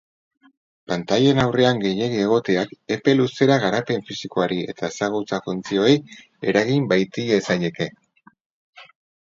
Pantailen aurrean gehiegi egoteak epe luzera garapen fisikoari eta ezagutza-funtzioei eragin baitiezaieke.